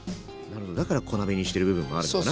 だから小鍋にしてる部分もあるのかな。